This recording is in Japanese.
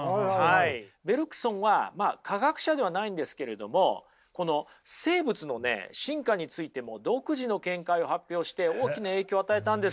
ベルクソンは科学者ではないんですけれどもこの生物のね進化についても独自の見解を発表して大きな影響を与えたんですよ。